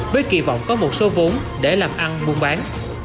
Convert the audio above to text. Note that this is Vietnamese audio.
với kỳ vọng có một số vốn để làm ăn buôn bán